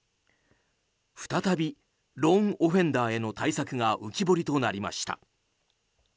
再びローン・オフェンダーへの対策が浮き彫りとなりました。